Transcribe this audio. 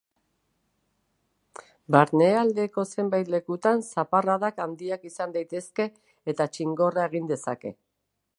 Barnealdeko zenbait lekutan zaparradak handiak izan daitezke, eta txingorra egin dezake.